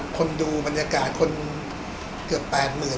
คนดูบรรยากาศคนเกือบปแปดหมื่น